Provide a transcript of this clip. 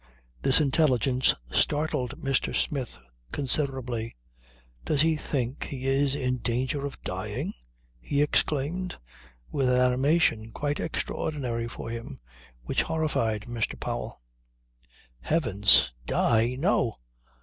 This intelligence startled Mr. Smith considerably. "Does he think he is in danger of dying?" he exclaimed with an animation quite extraordinary for him, which horrified Mr. Powell. "Heavens! Die! No!